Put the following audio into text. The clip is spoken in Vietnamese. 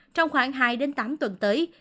trong khoảng hai tám tuần tới